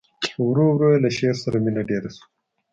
ورو ورو یې له شعر سره مینه ډېره شوه